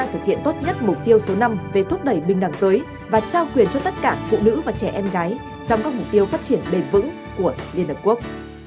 thực hiện tốt nhất mục tiêu số năm về thúc đẩy bình đẳng giới và trao quyền cho tất cả phụ nữ và trẻ em gái trong các mục tiêu phát triển bền vững của liên hợp quốc